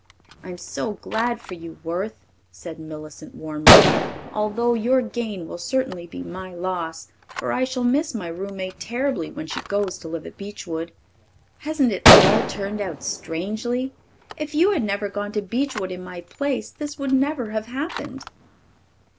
"I'm so glad for you, Worth," said Millicent warmly, "although your gain will certainly be my loss, for I shall miss my roommate terribly when she goes to live at Beechwood. Hasn't it all turned out strangely? If you had never gone to Beechwood in my place, this would never have happened."